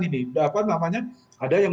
ini ada yang